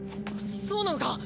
そうなのか！？